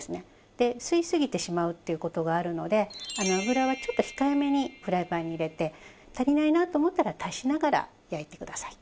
で吸い過ぎてしまうっていう事があるので油はちょっと控えめにフライパンに入れて足りないなと思ったら足しながら焼いてください。